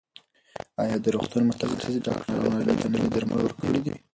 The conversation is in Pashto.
ایا د روغتون متخصص ډاکټرانو هغې ته نوي درمل ورکړي دي؟